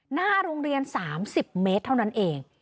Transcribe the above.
หน้าโรงเรียน๓๐เมตรเท่านั้นเอง